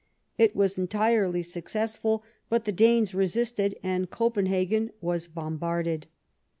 It was entirely suc cessful, but the Danes resisted, and Copenhagen was bombarded.